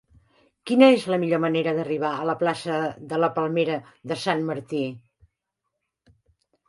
Quina és la millor manera d'arribar a la plaça de la Palmera de Sant Martí?